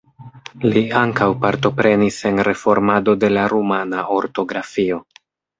Li ankaŭ partoprenis en reformado de la rumana ortografio.